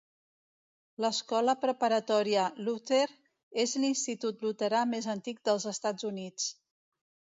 L'escola preparatòria Luther és l'institut luterà més antic dels Estats Units.